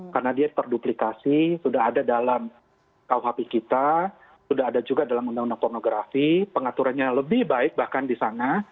karena dia terduplikasi sudah ada dalam kuhp kita sudah ada juga dalam undang undang pornografi pengaturannya lebih baik bahkan di sana